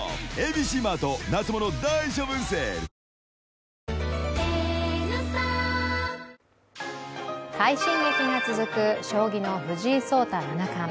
サントリー「金麦」快進撃が続く将棋の藤井聡太七冠。